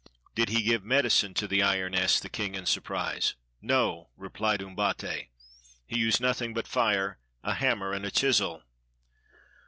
"Did he give medicine to the iron?" asked the king in surprise. "No," repHed Umbate; "he used nothing but fire, a hammer,' and a chisel."